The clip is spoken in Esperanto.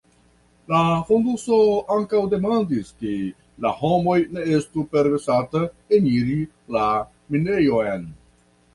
La fonduso ankaŭ demandis ke la homoj ne estu permesata eniri la minejon.